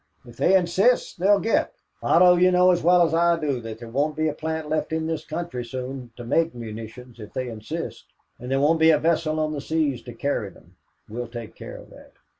If they insist, they'll get Otto, you know as well as I do that there won't be a plant left in this country soon to make munitions if they insist, and there won't be a vessel on the seas to carry them. We'll take care of that.